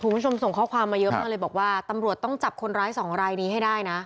คุณผู้ชมส่งข้อความมาเยอะมากเลยบอกว่าตำรวจต้องจับคนร้ายสองรายนี้ให้ได้นะ